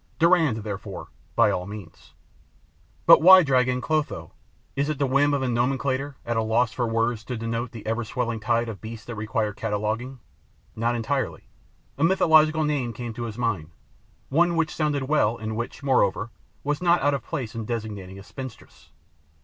'Durand,' therefore, by all means. But why drag in 'Clotho'? Is it the whim of a nomenclator, at a loss for words to denote the ever swelling tide of beasts that require cataloguing? Not entirely. A mythological name came to his mind, one which sounded well and which, moreover, was not out of place in designating a spinstress.